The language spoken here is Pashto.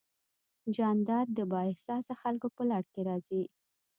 جانداد د بااحساسه خلکو په لړ کې راځي.